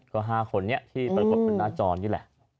ก็๕คนนี้ที่ปรากฏบนหน้าจอนี่แหละ